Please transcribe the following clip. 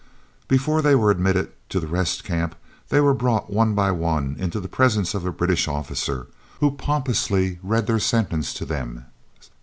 But before they were admitted to the Rest Camp they were brought one by one into the presence of a British officer, who pompously read their sentence to them.